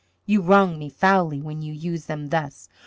You wrong me foully when you use them thus.